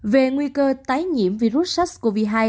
về nguy cơ tái nhiễm virus sars cov hai